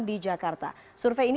di dua puluh tahun